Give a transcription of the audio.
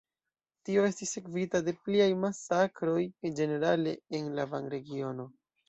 Tio estis sekvita de pliaj masakroj ĝenerale en la Van-regiono.